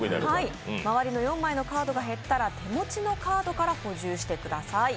周りの４枚のカードが減ったら手持ちのカードから補充してください。